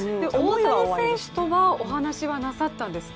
大谷選手とは、お話はなさったんですか？